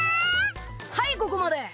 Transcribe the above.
はいここまで！